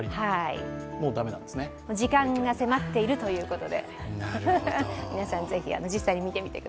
時間が迫っているということで。